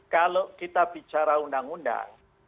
kalau kita bicara undang undang